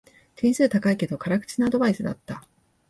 点数高いけど辛口なアドバイスだった